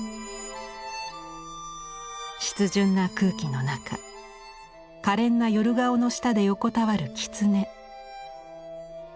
湿潤な空気の中可憐な夜顔の下で横たわる狐。